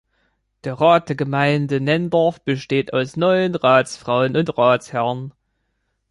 Der Rat der Gemeinde Nenndorf besteht aus neun Ratsfrauen und Ratsherren.